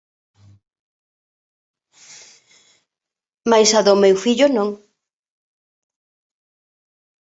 Mais a do meu fillo non.